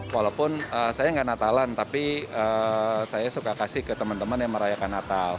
walaupun saya nggak natalan tapi saya suka kasih ke teman teman yang merayakan natal